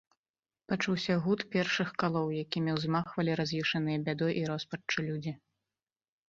Пачуўся гуд першых калоў, якімі ўзмахвалі раз'юшаныя бядой і роспаччу людзі.